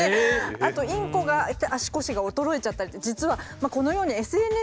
あとインコが足腰が衰えちゃったり実はこのようにＳＮＳ上でですね